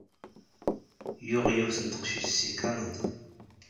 Yuɣ yiwet n teqcict seg Kanada.